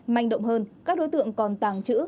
manh động hơn các đối tượng còn tàng trữ